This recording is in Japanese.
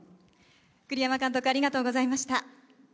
栗山監督、ありがとうございました。